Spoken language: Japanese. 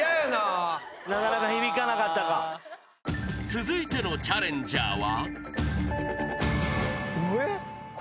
［続いてのチャレンジャーは］